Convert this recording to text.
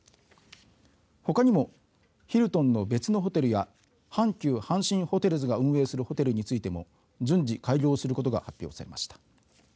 ほかにもヒルトンの別のホテルや阪急阪神ホテルズが運営するホテルについても順次開業することが発表されました。